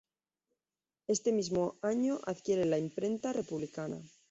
Ese mismo año adquiere la "Imprenta Republicana".